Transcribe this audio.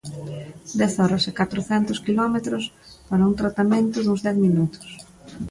Dez horas e catrocentos quilómetros para un tratamento duns dez minutos.